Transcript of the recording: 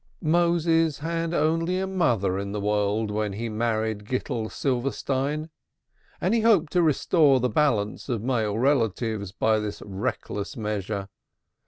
Moses had only a mother in the world when he married Gittel Silverstein, and he hoped to restore the balance of male relatives by this reckless measure.